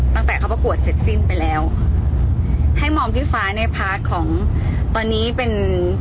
ตั้งแต่เขาประกวดเสร็จสิ้นไปแล้วให้มองพี่ฟ้าในพาร์ทของตอนนี้เป็น